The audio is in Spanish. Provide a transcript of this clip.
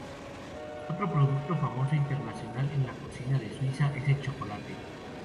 Otro producto famoso internacionalmente en la cocina de Suiza es el chocolate.